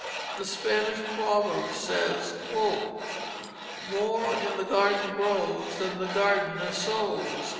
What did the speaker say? The Spanish proverb says: "More in the garden grows Than the gardener sows."